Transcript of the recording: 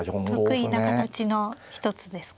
得意な形の一つですか。